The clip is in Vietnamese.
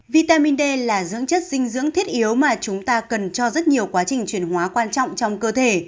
vitamin d là dưỡng chất dinh dưỡng thiết yếu mà chúng ta cần cho rất nhiều quá trình chuyển hóa quan trọng trong cơ thể